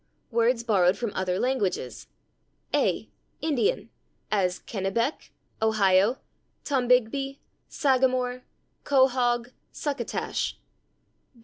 Words borrowed from other languages. a. Indian, as /Kennebec/, /Ohio/, /Tombigbee/; /sagamore/, /quahaug/, /succotash